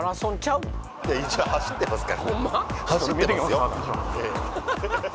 一応走ってますからホンマ？